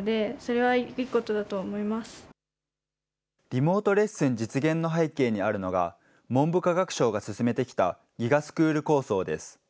リモートレッスン実現の背景にあるのが、文部科学省が進めてきたＧＩＧＡスクール構想です。